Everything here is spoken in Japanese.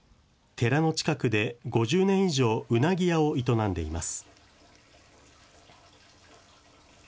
寺の近くで５０年以上うなぎ屋を営んでいます。